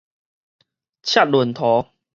赤潤塗